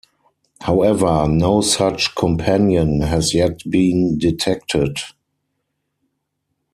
However, no such companion has yet been detected.